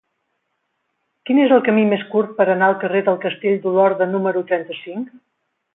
Quin és el camí més curt per anar al carrer del Castell d'Olorda número trenta-cinc?